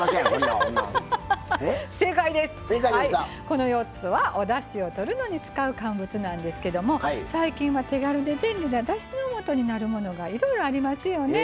この４つはおだしをとるのに使う乾物なんですけども最近は手軽で便利なだしのもとになるものがいろいろありますよね。